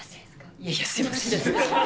いやいや、すみませんじゃ。